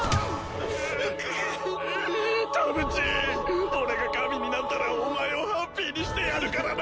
田淵俺が神になったらお前をハッピーにしてやるからな